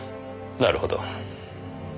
なるほど。